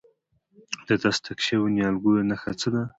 د تصدیق شویو نیالګیو نښه څه ده؟